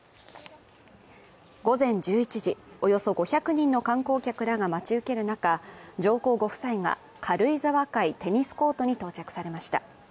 午前１１時、およそ５００人の観光客らが待ち受ける中、上皇ご夫妻が軽井沢会テニスコートに到着されました。